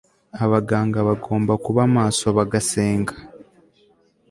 Abaganga bagomba kuba maso bagasenga